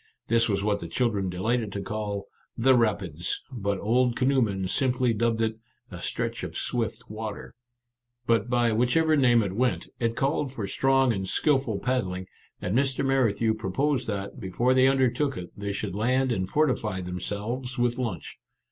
This was what the chil dren delighted to call " The Rapids," but old canoemen simply dubbed it " a stretch of swift water." But by whichever name it went, it called for strong and skilful paddling, and 48 Our Little Canadian Cousin Mr. Merrithew proposed that, before they undertook it, they should land and fortify themselves with lunch.